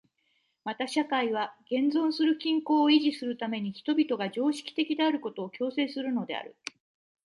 また社会は現存する均衡を維持するために人々が常識的であることを強制するのである。